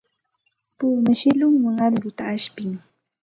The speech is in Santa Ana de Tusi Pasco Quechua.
Puma shillunwan allquta ashpin.